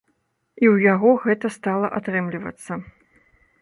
І ў яго гэта стала атрымлівацца.